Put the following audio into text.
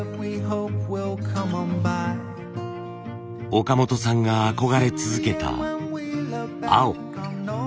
岡本さんが憧れ続けた青。